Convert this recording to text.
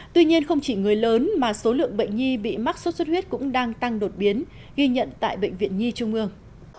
tuy nhiên không chỉ người lớn mà số lượng bệnh nhi bị mắc sốt xuất huyết cũng đang tăng đột biến ghi nhận tại bệnh viện nhi trung ương